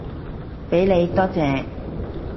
畀你，多謝